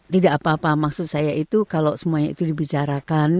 tidak apa apa maksud saya itu kalau semuanya itu dibicarakan